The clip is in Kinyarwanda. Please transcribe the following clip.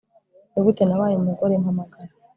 nigute nabaye umugore mpamagara